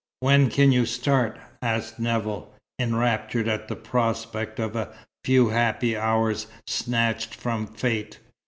"When can you start?" asked Nevill, enraptured at the prospect of a few happy hours snatched from fate.